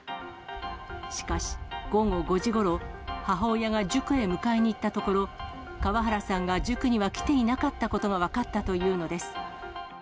しかし、午後５時ごろ、母親が塾へ迎えにいったところ、川原さんが塾には来ていなかったことが分かったというのです。